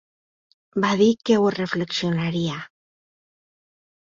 Va dir que ho reflexionaria.